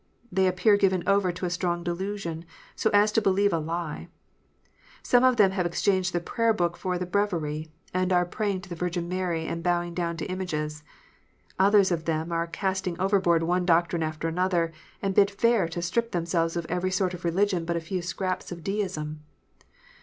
They appear given over to a strong delusion, so as to believe a lie. Some of them have exchanged the Prayer book for the Breviary, and are praying to the Virgin Mary, and bowing down to images. Others of them are casting overboard one doctrine after another, and bid fair to strip themselves of every sort of religion but a few scraps of Deism.